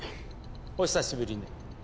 お久しぶりね。